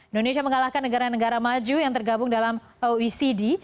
indonesia mengalahkan negara negara maju yang tergabung dalam oecd